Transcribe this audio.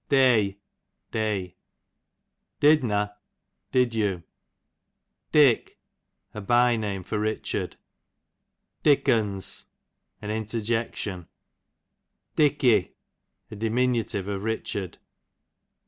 Day, day. Didney, )„.,' i did you. Didneh, )"^ Dick, a by name for Richard. Dickons, an interjection. Dicky, a diminutire of Richard.